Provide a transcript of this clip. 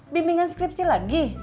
bimbingan skripsi lagi